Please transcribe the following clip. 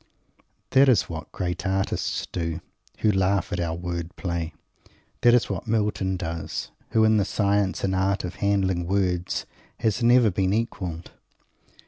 That is what the great artists do who laugh at our word play. That is what Milton does, who, in the science and art of handling words, has never been equalled.